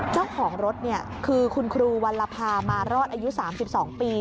เจ้าของรถคือคุณครูวัลภามารอดอายุ๓๒ปี